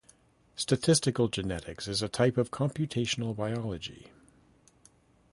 Statistical genetics is a type of computational biology.